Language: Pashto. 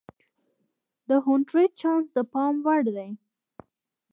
د هونټریج چانس د پام وړ دی.